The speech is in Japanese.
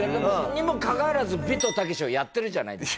にもかかわらずビトタケシをやってるじゃないですか。